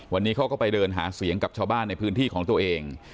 วันนี้เขาก็ไปเดินหาเสียงกับชาวบ้านในพื้นที่ของตัวเอง